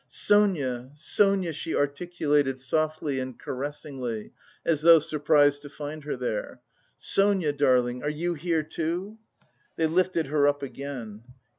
"Sonia, Sonia!" she articulated softly and caressingly, as though surprised to find her there. "Sonia darling, are you here, too?" They lifted her up again.